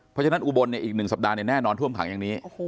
เพราะฉะนั้นอุบลเนี่ยอีกหนึ่งสัปดาห์เนี่ยแน่นอนท่วมขังอย่างนี้